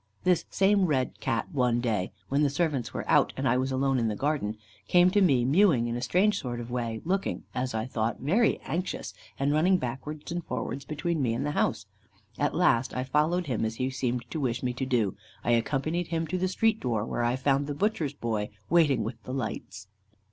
This same red Cat one day, when the servants were out, and I was alone in the garden, came to me mewing in a strange sort of way, looking, as I thought, very anxious, and running backwards and forwards between me and the house. At last, following him as he seemed to wish me to do, I accompanied him to the street door, where I found the butcher's boy waiting with the lights.